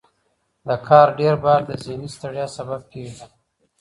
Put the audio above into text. د کار ډیر بار د ذهني ستړیا سبب کېږي.